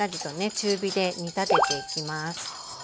中火で煮立てていきます。